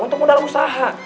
untuk modal usaha